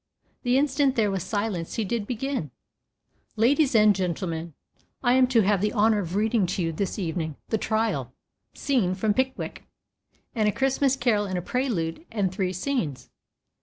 The instant there was silence he did begin: "Ladies and gentlemen, I am to have the honor of reading to you this evening the trial scene from Pickwick, and a Christmas Carol in a prelude and three scenes.